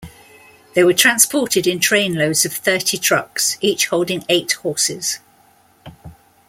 They were transported in train loads of thirty trucks, each holding eight horses.